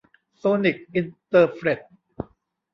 โซนิค อินเตอร์เฟรท